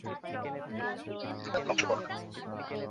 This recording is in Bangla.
প্লিজ এটা ধ্বংস করো না।